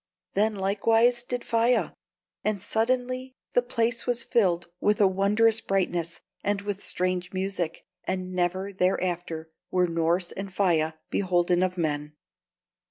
Then likewise did Faia; and suddenly the place was filled with a wondrous brightness and with strange music, and never thereafter were Norss and Faia beholden of men.